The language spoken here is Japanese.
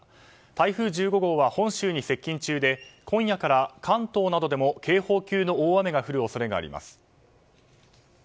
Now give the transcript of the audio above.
台風１５号は本州に接近中で今夜から関東などでも警報級の大雨が降る恐れがあります。